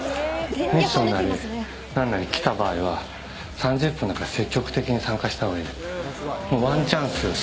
ミッションなりなんなり来た場合は３０分だから積極的に参加したほうがいい。